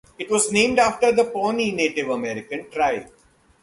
It was named after the Pawnee Native American tribe.